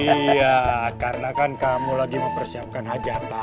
iya karena kan kamu lagi mempersiapkan hajatan